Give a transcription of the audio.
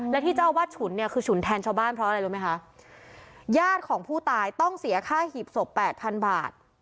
และที่เจ้าอาวาสฉุนเนี่ยคือฉุนแทนชาวบ้านเพราะอะไรรู้ไหมคะญาติของผู้ตายต้องเสียค่าหีบศพแปดพันบาท